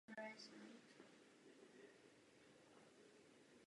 Na housle se začal učit hrát v deseti letech.